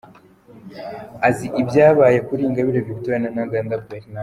Azi ibyabaye kuri Ingabire Victoire na Ntaganda Bernard.